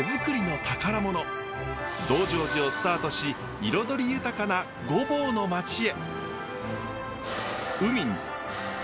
道成寺をスタートし彩り豊かな御坊の町へ。